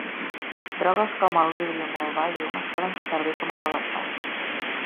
Drogues com el Librium o el Valium es poden fer servir com a relaxants.